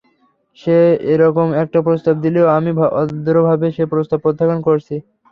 সে এরকম একটা প্রস্তাব দিলেও আমি ভদ্রভাবে সে প্রস্তাব প্রত্যাখ্যান করেছি।